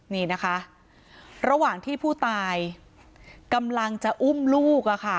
นี่นะคะระหว่างที่ผู้ตายกำลังจะอุ้มลูกอะค่ะ